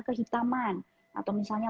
kehitaman atau misalnya